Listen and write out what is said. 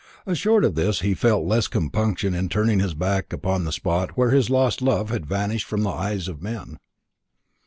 Assured of this, he felt less compunction in turning his back upon the spot where his lost love had vanished from the eyes of men.